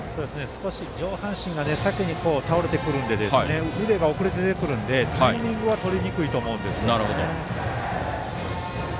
少し上半身が先に倒れてくるので腕が遅れて出てくるのでタイミングはとりにくいと思います。